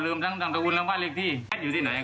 อ๋อลืมทั้งทั้งตังควรทั้งว่าเล็กที่อยู่ที่ไหนอ่ะ